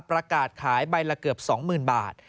ประกาศขายใบละเกือบ๒๐๐๐บาท